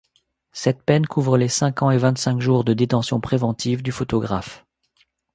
Cette peine couvre les cinq ans et vingt-cinq jours de détention préventive du photographe.